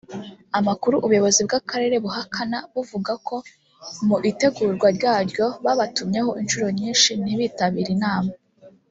Amakuru ubuyobozi bw’akarere buhakana buvuga ko mu itegurwa ryaryo babatumyeho inshuro nyinshi ntibitabire inama